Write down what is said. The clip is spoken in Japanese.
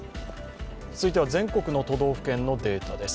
続いては全国の都道府県のデータです。